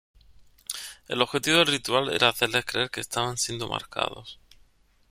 El objetivo del ritual era hacerles creer que estaban siendo marcados.